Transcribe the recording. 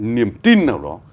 niềm tin nào đó